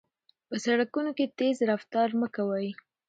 په سړکونو کې تېز رفتار مه کوئ.